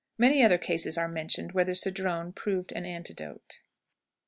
Many other cases are mentioned where the cedron proved an antidote.